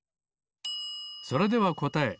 それではこたえ。